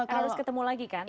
harus ketemu lagi kan